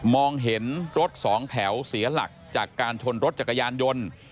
เห็นรถสองแถวเสียหลักจากการชนรถจักรยานยนต์